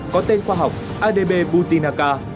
có tên khoa học adb butinaka